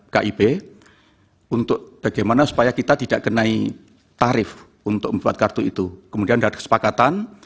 kib untuk bagaimana supaya kita tidak kenai tarif untuk membuat kartu itu kemudian ada kesepakatan